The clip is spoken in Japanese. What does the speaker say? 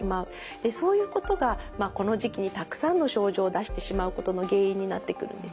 そういうことがこの時期にたくさんの症状を出してしまうことの原因になってくるんですね。